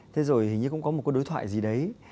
thế rồi hình như cũng có một cái đối thoại gì đấy